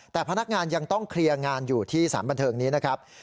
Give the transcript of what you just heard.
แต่พนักงานยังต้องเคลียร์งานอยู่ที่สารบันเทิงนี้นะครับ